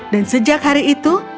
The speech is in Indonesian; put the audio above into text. dan sejak hari itu